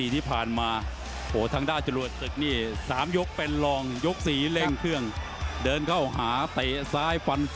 หมดยกทีม๔แค่อังการ